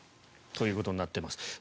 ということになっています。